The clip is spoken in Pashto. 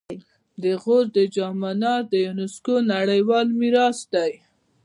د غور د جام منار د یونسکو نړیوال میراث دی